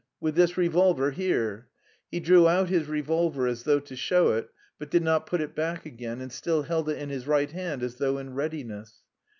With this revolver here." (He drew out his revolver as though to show it, but did not put it back again and still held it in his right hand as though in readiness.)